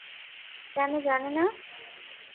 কেন জানে না?